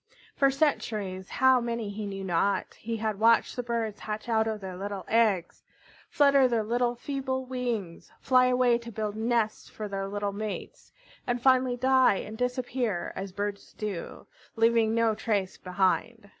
For centuries, how many he knew not, he had watched the birds hatch out of their little eggs, flutter their feeble little wings, fly away to build nests for their little mates, and finally die and disappear as birds do, leaving no trace behind.